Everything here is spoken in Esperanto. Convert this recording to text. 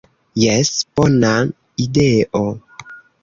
Jes, bona ideo!"